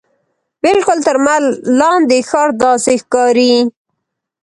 بالکل تر لمر لاندې ښار داسې ښکاري.